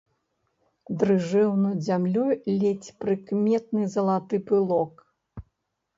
Дрыжэў над зямлёй ледзь прыкметны залаты пылок.